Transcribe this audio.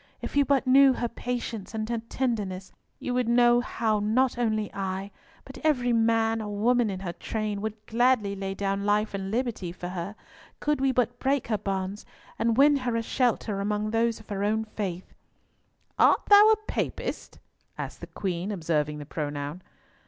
If you but knew her patience and her tenderness, you would know how not only I, but every man or woman in her train, would gladly lay down life and liberty for her, could we but break her bonds, and win her a shelter among those of her own faith." "Art a Papist?" asked the Queen, observing the pronoun.